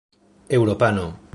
eŭropano